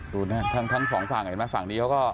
ทั้งสองฝั่งเห็นไหมฝั่งนี้เขาก็